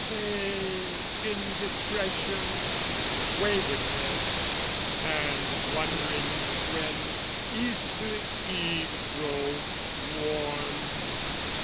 say, indiscretion, waywardness, "And wanderings when Easter eves grow warm.